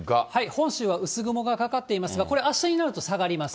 本州は薄雲がかかっていますが、これはあしたになると下がります。